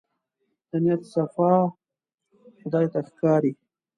د نيت صفا خدای ته ښکاري.